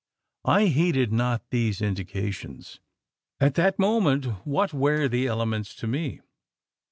I heeded not these indications. At that moment, what where the elements to me?